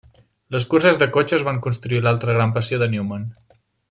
Les curses de cotxes van constituir l'altra gran passió de Newman.